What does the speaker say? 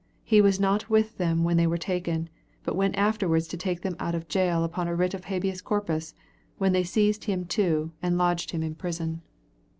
He was not with them when they were taken; but went afterwards to take them out of jail upon a writ of Habeas Corpus, when they seized him too and lodged him in prison.